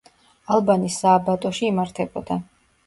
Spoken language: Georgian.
ალბანის სააბატოში იმართებოდა.